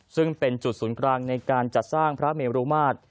ซึ่งเป็นจุดศูนย์กลางในการจัดสร้างพระเมรุมาตร